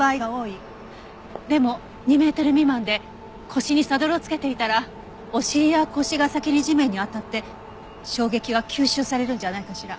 でも２メートル未満で腰にサドルをつけていたらお尻や腰が先に地面に当たって衝撃は吸収されるんじゃないかしら。